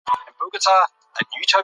موږ غواړو چې د سواد کچه لوړه کړو.